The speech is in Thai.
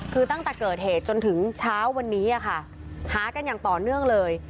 คือตั้งแต่เกิดเหตุจนถึงเช้าวันนี้ค่ะหากันอย่างต่อเนื่องเลย